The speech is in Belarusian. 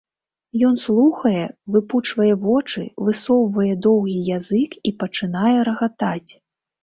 Ён слухае, выпучвае вочы, высоўвае доўгі язык і пачынае рагатаць.